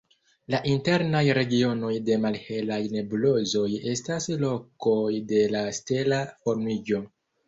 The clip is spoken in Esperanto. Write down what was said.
La internaj regionoj de malhelaj nebulozoj estas lokoj de la stela formiĝo.